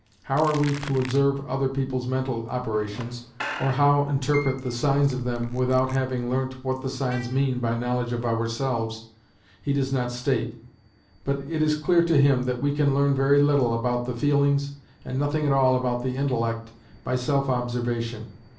How we are to observe other people's mental operations, or how interpret the signs of them without having learnt what the signs mean by knowledge of ourselves, he does not state. But it is clear to him that we can learn very little about the feelings, and nothing at all about the intellect, by self observation.